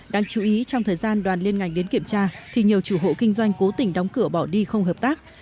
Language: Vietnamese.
đáng chú ý trong thời gian đoàn liên ngành đến kiểm tra thì nhiều chủ hộ kinh doanh cố tình đóng cửa bỏ đi không hợp tác